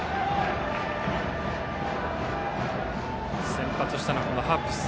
先発したのはハッブス。